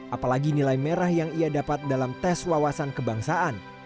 apalagi nilai merah yang ia dapat dalam tes wawasan kebangsaan